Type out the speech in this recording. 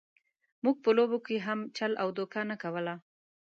موږ په لوبو کې هم چل او دوکه نه کوله.